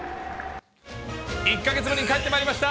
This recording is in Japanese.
１か月ぶりに帰ってまいりました。